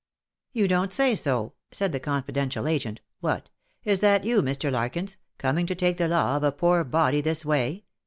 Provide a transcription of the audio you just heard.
" You don't say so ?" said the confidential agent. " What ! is that you, Mr. Larkins, coming to take the law of a poor body this way?